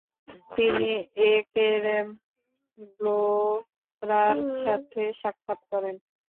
তিনি একেরেম ভ্লোরার সাথে সাক্ষাৎ করেন।